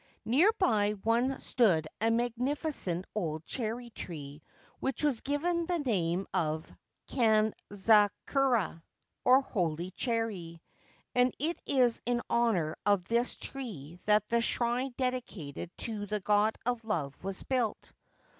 Near by once stood a magnificent old^^clierry ITPP which was given the name of Kanzakura, or Holy Cherry, and it is in honour of this tree that the shrine dedicated to the God of Love was built.